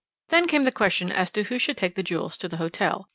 "Then came the question as to who should take the jewels to the hotel.